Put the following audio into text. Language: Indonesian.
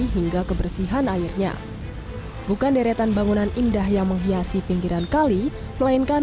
hingga kebersihan airnya bukan deretan bangunan indah yang menghiasi pinggiran kali melainkan